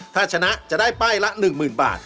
ถ้าชนะจะได้ป้ายละ๑๐๐๐บาท